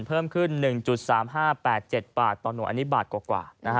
เพิ่มขึ้น๑๓๕๘๗บาทต่อหน่วยอันนี้บาทกว่า